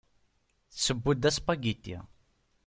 Tesseww-d aspagiti.